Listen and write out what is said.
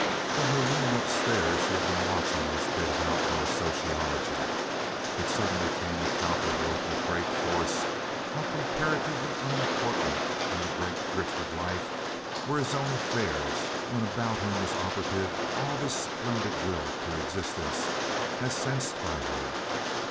From her room upstairs, she had been watching this bit of outdoor sociology. It suddenly came to Cowperwood, with great force, how comparatively unimportant in the great drift of life were his own affairs when about him was operative all this splendid will to existence, as sensed by her.